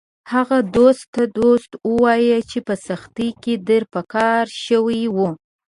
هغه دوست ته دوست ووایه چې په سختۍ کې در په کار شوی و